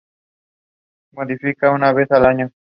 Nidifica una vez al año.